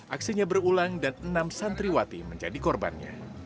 aksinya berulang dan enam santriwati menjadi korbannya